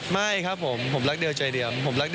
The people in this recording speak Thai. ไม่ครับผมผมรักเดียวใจเดียว